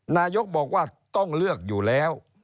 นายกบอกว่าต้องเลือกอยู่แล้ว